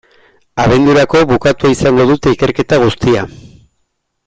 Abendurako bukatua izango dute ikerketa guztia.